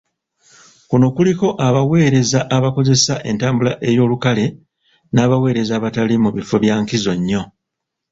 Kuno kuliko abaweereza abakozesa entambula ey'olukale n'abaweereza abatali mu bifo bya nkizo nnyo.